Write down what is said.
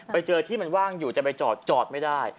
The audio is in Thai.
ไปเจอที่มันว่างอยู่จะไปจอดจอดไม่ได้